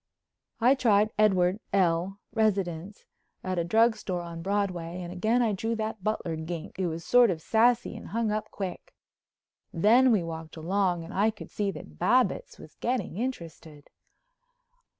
I tried Edward L., residence, at a drug store on Broadway and again I drew that butler gink, who was sort of sassy and hung up quick. Then we walked along and I could see that Babbitts was getting interested.